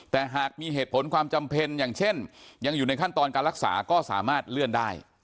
แต่หากมีเหตุผลความจำเป็นอย่างเช่นยังอยู่ในขั้นตอนการรักษาก็สามารถเลื่อนได้